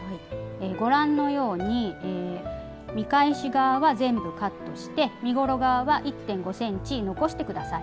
ご覧のように見返し側は全部カットして身ごろ側は１．５ｃｍ残してください。